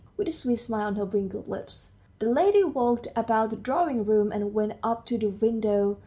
With a sweet smile on her wrinkled lips, the lady walked about the drawing room and went up to the window.